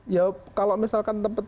ya kalau misalkan tempat